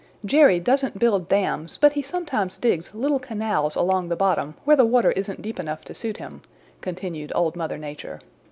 "Jerry doesn't build dams, but he sometimes digs little canals along the bottom where the water isn't deep enough to suit him," continued Old Mother Nature.